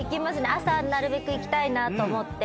朝なるべく行きたいなと思って。